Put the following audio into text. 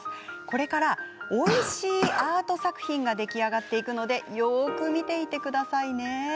これからおいしいアート作品が出来上がっていくのでよく見ていてくださいね。